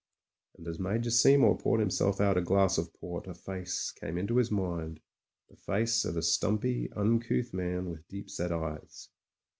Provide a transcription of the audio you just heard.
And as Major Seymour poured himself out a glass of port, a face came into his mind — the face of a stumpy, uncouth man with deep set eyes.